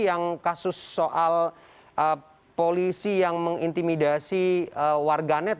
yang kasus soal polisi yang mengintimidasi warganet